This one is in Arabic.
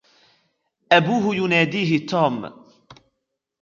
أبوه يناديه توم.